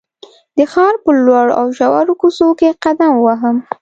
د ښار په لوړو او ژورو کوڅو کې قدم ووهم.